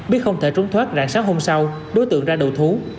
biết không thể trốn thoát rạng sáng hôm sau đối tượng ra đầu thú